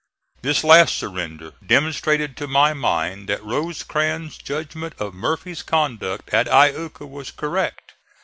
This last surrender demonstrated to my mind that Rosecrans' judgment of Murphy's conduct at Iuka was correct.